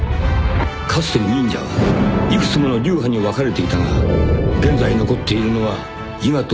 ［かつて忍者は幾つもの流派に分かれていたが現在残っているのは伊賀と甲賀の２つだけ］